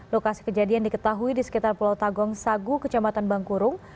lokasi kejadian diketahui di sekitar pulau tagong sagu kecamatan bangkurung